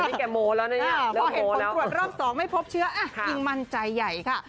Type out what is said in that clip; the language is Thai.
พอเห็นผมตรวจรอบ๒ไม่พบเชื้อยังมั่นใจใหญ่ค่ะ